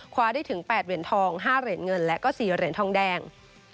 ได้ถึง๘เหรียญทอง๕เหรียญเงินและก็๔เหรียญทองแดง